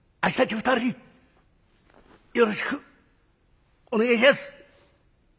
２人よろしくお願いします。